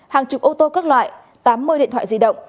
hàng chục ô tô các loại tám mươi điện thoại di động